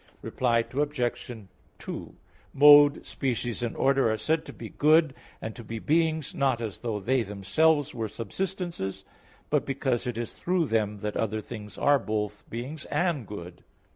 Reply Obj. 2: Mode, species and order are said to be good, and to be beings, not as though they themselves were subsistences, but because it is through them that other things are both beings and good.